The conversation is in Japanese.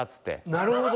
「なるほど！」